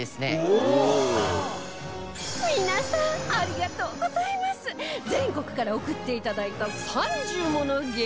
皆さんありがとうございます全国から送っていただいた３０もの激